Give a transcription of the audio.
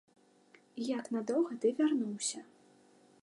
І як надоўга ты вярнуўся?